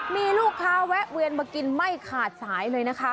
มีลูกค้าแวะเวียนมากินไม่ขาดสายเลยนะคะ